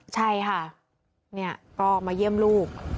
ใช่ค่ะก็มาเยี่ยมลูก